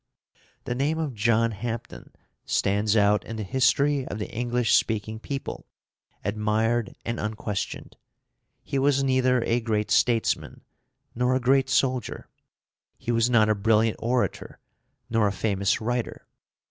The name of John Hampden stands out in the history of the English speaking people, admired and unquestioned. He was neither a great statesman, nor a great soldier; he was not a brilliant orator, nor a famous writer.